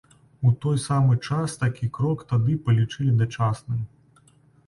У той самы час такі крок тады палічылі дачасным.